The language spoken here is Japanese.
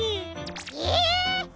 え！